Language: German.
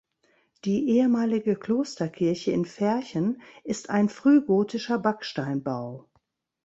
Die ehemalige Klosterkirche in Verchen ist ein frühgotischer Backsteinbau.